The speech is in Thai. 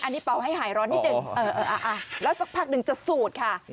อันนี้เป่าให้หายร้อนนิดนึงแล้วสักพักหนึ่งจะสูดค่ะ